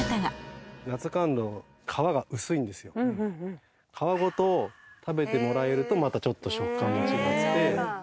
さらに皮ごと食べてもらえるとまたちょっと食感が違って。